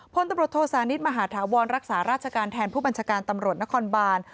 พลตำรวจโทษานิทมหาธาวรรักษาราชการแทนผู้บัญชาการตำรวจนครบาน